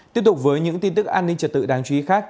tiếp tục với những tin tức an ninh trật tự đáng chú ý khác